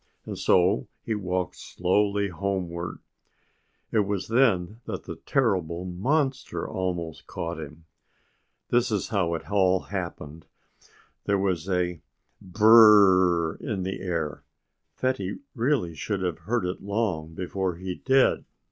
And so he walked slowly homewards. It was then that the terrible monster almost caught him. This is how it all happened. There was a br br br r r r in the air. Fatty really should have heard it long before he did.